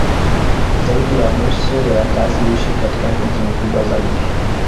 Zaidi ya nusu ya wakazi huishi katika miji mikubwa zaidi.